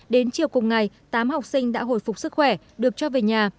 đến chiều cùng ngày tám học sinh đã hồi phục sức khỏe được cho về nhà